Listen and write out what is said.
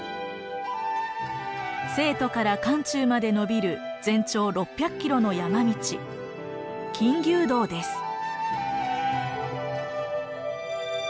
成都から漢中までのびる全長６００キロの山道金牛道です。